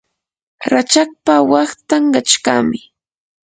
rachakpa waqtan qachqami.